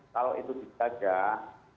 kalau itu dijaga